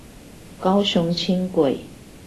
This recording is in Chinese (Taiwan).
高雄輕軌